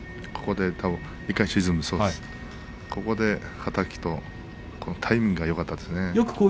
はたきとタイミングがよかったですね。